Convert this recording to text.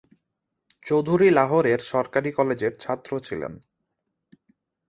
চৌধুরী লাহোরের সরকারী কলেজের ছাত্র ছিলেন।